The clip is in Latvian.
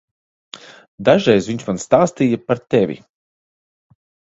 Dažreiz viņš man stāstīja par tevi.